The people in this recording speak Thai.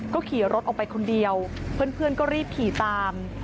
ก็ขี่รถออกไปคนเดียวเพื่อนก็รีบขี่ตาม